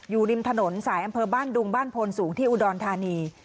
อยู่ริมถนนสายอำเภอบ้านดุงบ้านโพนสูงที่อุดรธานี